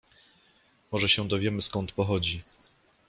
Może się dowiemy, skąd pochodzi.